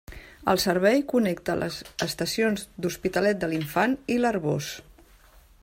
El servei connecta les estacions d'Hospitalet de l'Infant i l'Arboç.